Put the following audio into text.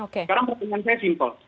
sekarang pertanyaan saya simpel